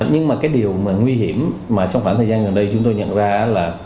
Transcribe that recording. nhưng mà cái điều mà nguy hiểm mà trong khoảng thời gian gần đây chúng tôi nhận ra là